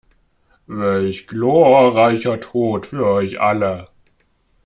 Welch gloreicher Tot für euch alle!